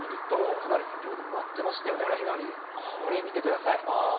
かなり先ほども鳴ってましたこれ見てください。